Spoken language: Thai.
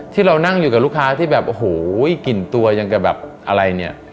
ที่เรานั่งอยู่กับลูกค้าที่แบบโอ้โหกลิ่นตัวยังกับแบบอะไรเนี่ย